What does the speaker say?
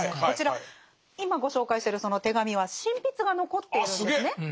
こちら今ご紹介してるその手紙は真筆が残っているんですね